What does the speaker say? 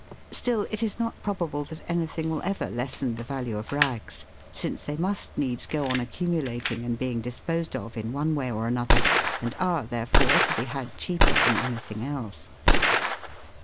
Still it is not probable that anything will ever lessen the value of rags, since they must needs go on accumulating and being disposed of in one way or another, and are, therefore, to be had cheaper than any thing else.